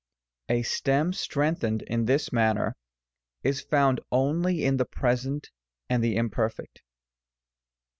A stem strengthened in this manner is found only in the Present and the Imperfect.